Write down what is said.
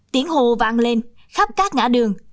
tiếng hồ vang lên khắp các ngã đường